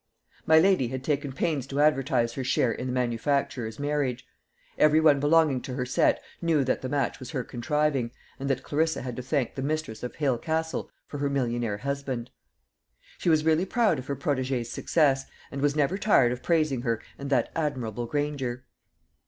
My lady had taken pains to advertise her share in the manufacturer's marriage. Every one belonging to her set knew that the match was her contriving, and that Clarissa had to thank the mistress of Hale Castle for her millionaire husband. She was really proud of her protégée's success, and was never tired of praising her and "that admirable Granger."